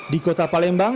di kota palembang